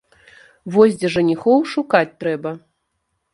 Вось дзе жаніхоў шукаць трэба.